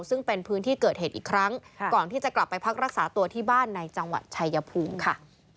ซึ่งเป็นพื้นที่เกิดเหตุอีกครั้งก่อนที่จะกลับไปพักรักษาตัวที่บ้านในจังหวัดชายภูมิค่ะ